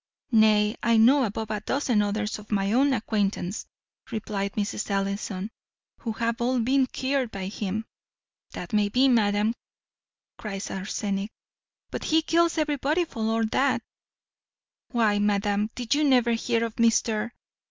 "Nay, I know above a dozen others of my own acquaintance," replied Mrs. Ellison, "who have all been cured by him." "That may be, madam," cries Arsenic; "but he kills everybody for all that why, madam, did you never hear of Mr.